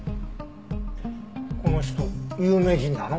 この人有名人なの？